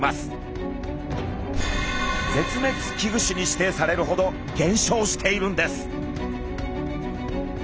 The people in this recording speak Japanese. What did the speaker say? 絶滅危惧種に指定されるほど減少しているんです。